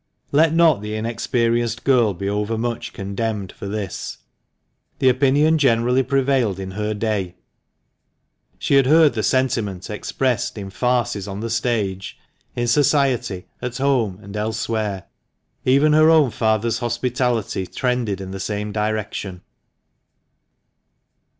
Let not the inexperienced young girl be over much condemned for this. The opinion generally prevailed in her day ; she had heard the sentiment expressed in farces on the stage, in society at home and elsewhere ; even her own father's hospitality trended in the same direction.